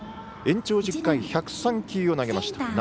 延長１０回１０３球を投げました。